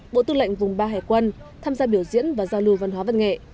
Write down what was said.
bộ tư lệnh vùng ba hải quân tham gia biểu diễn và giao lưu văn hóa văn nghệ